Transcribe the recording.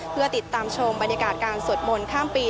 เพื่อติดตามชมบรรยากาศการสวดมนต์ข้ามปี